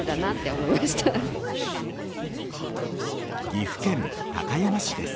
岐阜県高山市です。